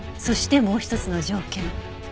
そしてもう一つの条件。